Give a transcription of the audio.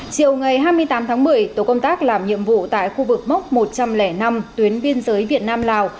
chiều ngày hai mươi tám tháng một mươi tổ công tác làm nhiệm vụ tại khu vực mốc một trăm linh năm tuyến biên giới việt nam lào